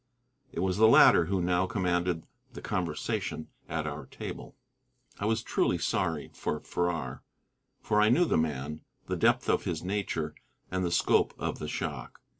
It was the latter who now commanded the conversation at our table. I was truly sorry for Farrar, for I knew the man, the depth of his nature, and the scope of the shock.